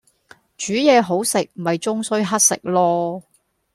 煮嘢好食咪終須乞食囉